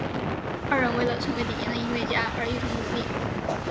二人为了成为顶尖的音乐家而一同努力。